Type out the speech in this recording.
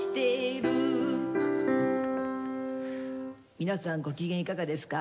皆さんご機嫌いかがですか？